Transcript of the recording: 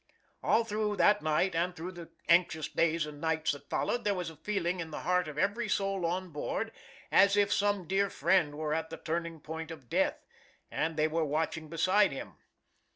"All through that night, and through the anxious days and nights that followed, there was a feeling in the heart of every soul on board, as if some dear friend were at the turning point of death, and they were watching beside him.